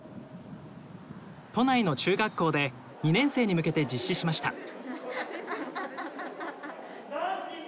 都内の中学校で２年生に向けて実施しました。